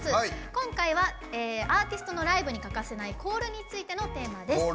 今回はアーティストのライブに欠かせないコールについてのテーマです。